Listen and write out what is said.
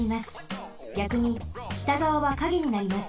ぎゃくに北がわはカゲになります。